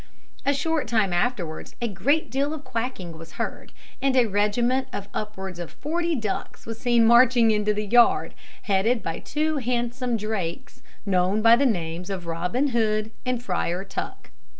A short time afterwards a great deal of quacking was heard, and a regiment of upwards of forty ducks was seen marching into the yard, headed by two handsome drakes, known by the names of Robin Hood and Friar Tuck.